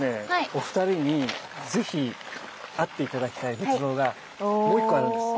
お二人に是非会って頂きたい仏像がもう一個あるんです！